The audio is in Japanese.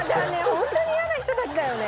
ホントに嫌な人たちだよね。